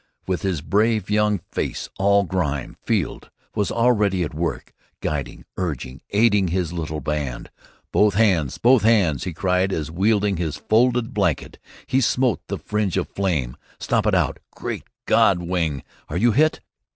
With his brave young face all grime, Field was already at work, guiding, urging, aiding his little band. "Both hands! Both hands!" he cried, as, wielding his folded blanket, he smote the fringe of flame. "Stamp it out! Great God! Wing, are you hit?"